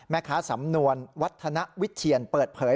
แม่ค้าสำนวณวัฒนวิเทียนเปิดเผย